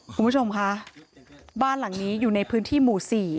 คุณผู้ชมคะบ้านหลังนี้อยู่ในพื้นที่หมู่๔